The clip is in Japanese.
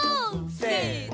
せの。